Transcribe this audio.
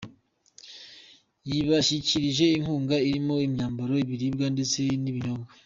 Yabashyikirije inkunga irimo imyambaro, ibiribwa ndetse n’ibinyobwa.